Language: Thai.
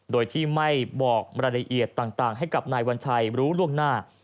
โดยที่ไม่บอกรายละเอียดต่างให้กับนายวัญชัยรู้ล่วงหน้า